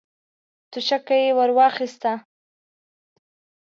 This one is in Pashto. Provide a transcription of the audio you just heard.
توشکه يې ور واخيسته.